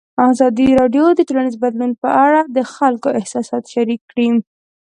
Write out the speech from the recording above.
ازادي راډیو د ټولنیز بدلون په اړه د خلکو احساسات شریک کړي.